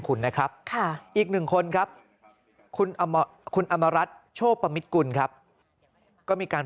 คุณนะครับอีกหนึ่งคนครับคุณอมรัฐโชคปมิตกุลครับก็มีการ